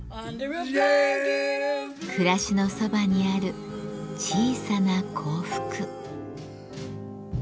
暮らしのそばにある小さな幸福。